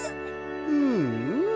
うんうん。